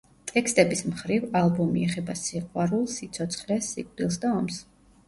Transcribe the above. ტექსტების მხრივ, ალბომი ეხება სიყვარულს, სიცოცხლეს, სიკვდილს და ომს.